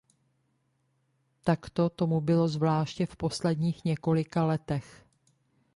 Takto tomu bylo zvláště v posledních několika letech.